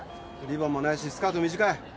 リボンもないしスカート短い。